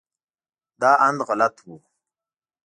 دا اند غلط و.